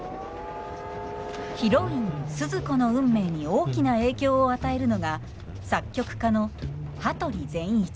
ヒロインスズ子の運命に大きな影響を与えるのが作曲家の羽鳥善一。